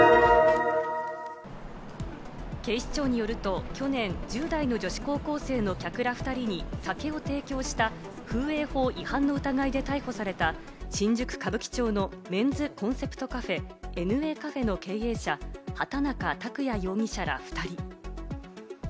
警視庁によると去年、１０代の女子高校生の客ら２人に酒を提供した風営法違反の疑いで逮捕された、新宿・歌舞伎町のメンズコンセプトカフェ・ＮＡカフェの経営者・畑中卓也容疑者ら２人。